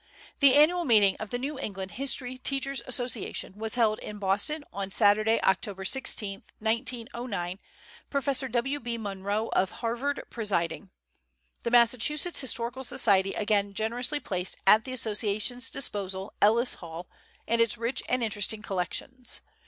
The annual meeting of the New England History Teachers' Association was held in Boston on Saturday, October 16, 1909, Professor W. B. Munro, of Harvard, presiding. The Massachusetts Historical Society again generously placed at the Association's disposal Ellis Hall and its rich and interesting collections.